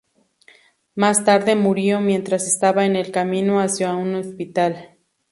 Más tarde murió mientras estaba en el camino hacia un hospital.